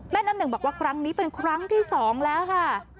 น้ำหนึ่งบอกว่าครั้งนี้เป็นครั้งที่๒แล้วค่ะ